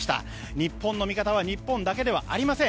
日本の味方は日本だけではありません。